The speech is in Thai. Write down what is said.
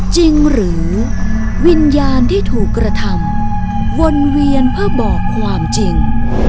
จริงหรือวิญญาณที่ถูกกระทำวนเวียนเพื่อบอกความจริง